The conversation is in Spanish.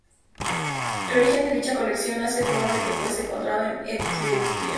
El origen de la dicha colección hace probable que fuese encontrado en Etruria.